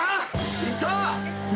行った！